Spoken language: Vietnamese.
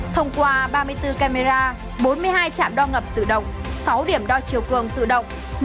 thông qua ba mươi bốn camera bốn mươi hai trạm đo ngập tự động sáu điểm đo chiều cường tự động